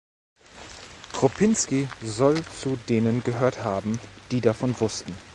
Krupinski soll zu denen gehört haben, die davon wussten.